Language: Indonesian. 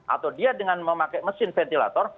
atau dia dengan memakai mesin ventilator